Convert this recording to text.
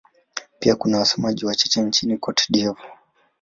Pia kuna wasemaji wachache nchini Cote d'Ivoire.